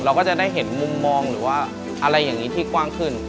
เราก็จะได้เห็นมุมมองหรือว่าอะไรอย่างนี้ที่กว้างขึ้น